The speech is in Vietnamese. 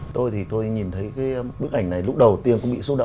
tôi thì tôi nhìn thấy cái bức ảnh này lúc đầu tiên cũng bị xúc động